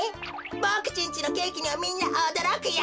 ボクちんちのケーキにはみんなおどろくよ。